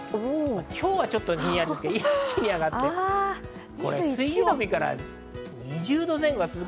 今日はちょっとひんやりですが、一気上がって水曜日から２０度前後が続く。